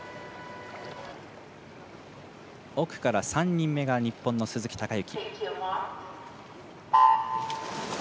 奥から３人目が日本の鈴木孝幸。